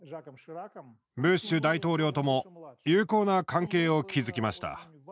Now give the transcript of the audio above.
ブッシュ大統領とも友好な関係を築きました。